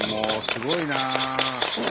すごいな。